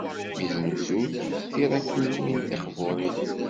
Yesnuzuy tiṛakniwin tiqburin.